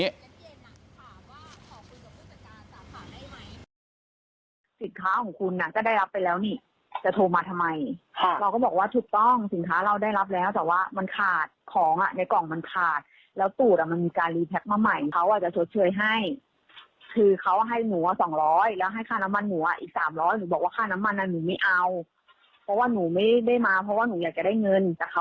สินค้าของคุณอ่ะก็ได้รับไปแล้วนี่จะโทรมาทำไมเราก็บอกว่าถูกต้องสินค้าเราได้รับแล้วแต่ว่ามันขาดของอ่ะในกล่องมันขาดแล้วตูดอ่ะมันมีการรีแท็กมาใหม่เขาอ่ะจะชดเชยให้คือเขาให้หนูอ่ะสองร้อยแล้วให้ค่าน้ำมันหนูอ่ะอีกสามร้อยหนูบอกว่าค่าน้ำมันอ่ะหนูไม่เอาเพราะว่าหนูไม่ได้มาเพราะว่าหนูอยากจะได้เงินจากเขา